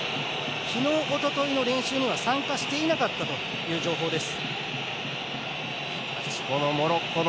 昨日、おとといの練習には参加していなかったという情報です。